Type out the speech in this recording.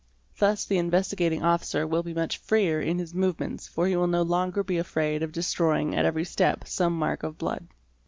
Thus the Investigating Officer will be much freer in his movements for he will no longer be afraid of destroying at every step some mark of blood.